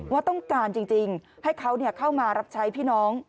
ว่าต้องการจริงให้เขาเข้ามารับใช้พี่น้อง